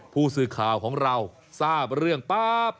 ผู้สื่อข่าวของเราทราบเรื่องปั๊บ